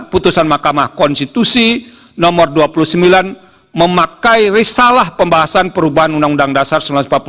putusan mahkamah konstitusi nomor dua puluh sembilan memakai risalah pembahasan perubahan undang undang dasar seribu sembilan ratus empat puluh lima